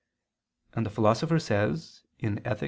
And the Philosopher says (Ethic.